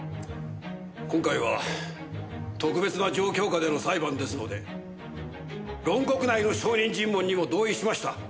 今回は特別な状況下での裁判ですので論告内の証人尋問にも同意しました。